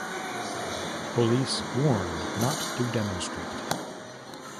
Police warned not to demonstrate.